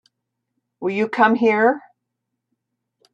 Will you come here?